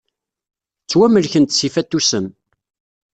Ttwamelkent s yifatusen.